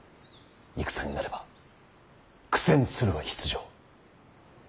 戦になれば苦戦するは必定。